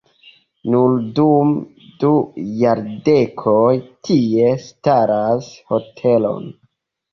Nur dum du jardekoj tie staras hotelon.